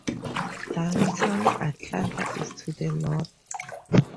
Downtown Atlanta is to the north.